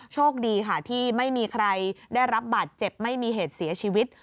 โชคดีค่ะที่ไม่มีใครได้รับบาดเจ็บไม่มีเหตุเสียชีวิต